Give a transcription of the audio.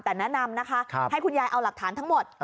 แต่แนะนำนะคะให้คุณยายเอาหลักฐานทั้งหมด